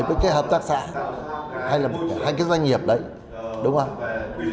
với các hợp tác xã hay là hai doanh nghiệp đấy đúng không